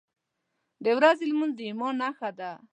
• د ورځې لمونځ د ایمان نښه ده.